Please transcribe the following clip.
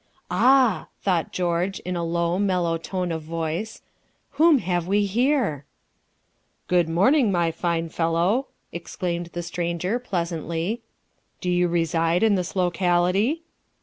"Ah!" thought George, in a low, mellow tone of voice, "whom have we here?" "Good morning, my fine fellow," exclaimed the stranger, pleasantly. "Do you reside in this locality?"